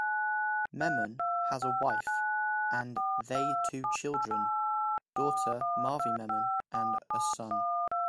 Memon has a wife and they two children: daughter Marvi Memon and a son.